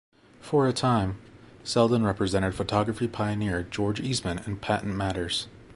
For a time, Selden represented photography pioneer George Eastman in patent matters.